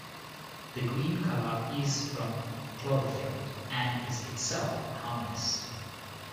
The green colour is from chlorophyll, and is itself harmless.